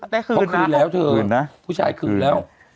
ได้คืนนั้นคุณแล้วถือ